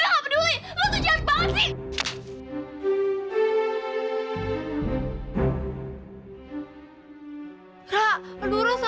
oke tapi keperan tergesetzt sama lo juga